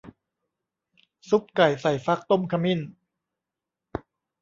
ซุปไก่ใส่ฟักต้มขมิ้น